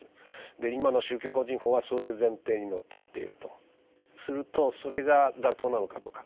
で今の宗教法人法はそういう前提にのっとっているとするとそれが妥当なのかどうか。